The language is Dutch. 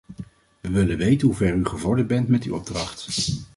We willen weten hoe ver u gevorderd bent met die opdracht.